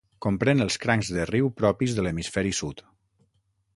Comprèn els crancs de riu propis de l'hemisferi sud.